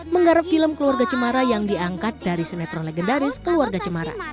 menggarap film keluarga cumara yang diangkat dari senetron legendaris keluarga cumara